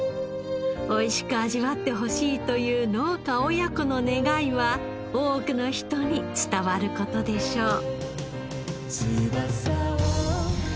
おいしく味わってほしいという農家親子の願いは多くの人に伝わる事でしょう。